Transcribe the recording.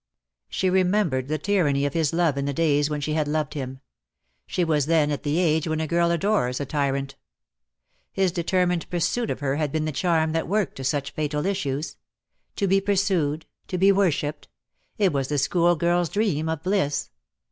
She remembered the 248 DEAD LOVE HAS CHAINS. tyranny of his love in the days when she had loved him. She was then at the age when a girl adores a tyrant. His determined pursuit of her had been the charm that worked to such fatal issues. To be pursued, to be worshipped! It was the school girl's dream of bliss.